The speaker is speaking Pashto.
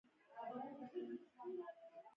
دوی په نړیوالو محکمو کې دعوا کوي.